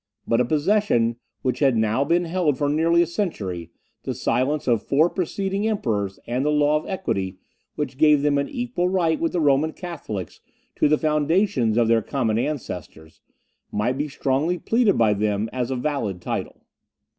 But a possession which had now been held for nearly a century, the silence of four preceding emperors, and the law of equity, which gave them an equal right with the Roman Catholics to the foundations of their common ancestors, might be strongly pleaded by them as a valid title.